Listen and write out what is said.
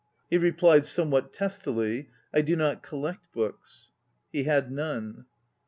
" He replied, somewhat testily: " I do not collect books." He had none.